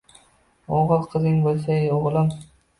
O’g’il-qizing bo’lsaydi, o’g’lim